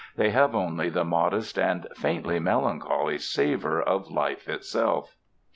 They have only the modest and faintly melancholy savor of life itself.